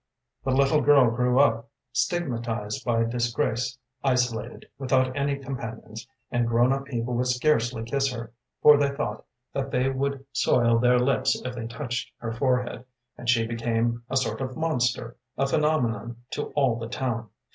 “The little girl grew up, stigmatized by disgrace, isolated, without any companions; and grown up people would scarcely kiss her, for they thought that they would soil their lips if they touched her forehead, and she became a sort of monster, a phenomenon to all the town.